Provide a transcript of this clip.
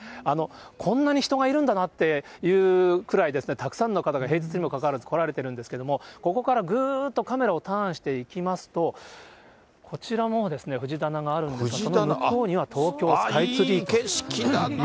こんなに人がいるんだなっていうくらいたくさんの方が平日にもかかわらず来られているんですけれども、ここからぐーっとカメラをターンしていきますと、こちらも藤棚があるんですけど、向こうにいい景色だな。